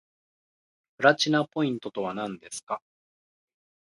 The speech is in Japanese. プラチナポイントとはなんですか